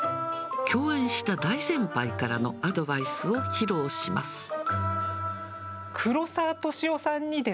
共演した大先輩からのアドバイスを披露します。